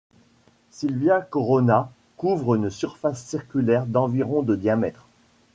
Silvia Corona couvre une surface circulaire d'environ de diamètre.